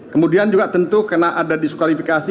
kemudian juga tentu karena ada diskualifikasi